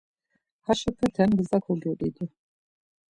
Haşopete gza kogyoǩidu.